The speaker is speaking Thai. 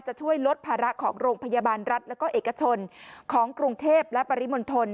จะช่วยลดภาระของโรงพยาบาลรัฐแล้วก็เอกชนของกรุงเทพและปริมณฑล